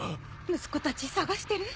息子たち捜してる？